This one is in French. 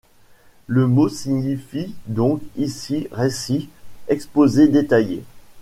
Le mot signifie donc ici récit, exposé détaillé.